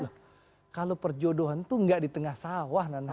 loh kalau perjodohan tuh gak di tengah sawah nana